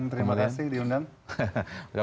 terima kasih diundang